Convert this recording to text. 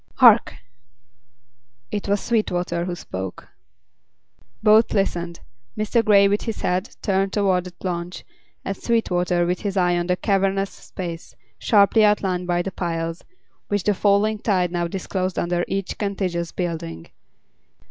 "Hark!" It was Sweetwater who spoke. Both listened, Mr. Grey with his head turned toward the launch and Sweetwater with his eye on the cavernous space, sharply outlined by the piles, which the falling tide now disclosed under each contiguous building.